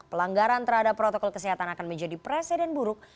pelanggaran terhadap protokol kesehatan akan menjadi presiden buruk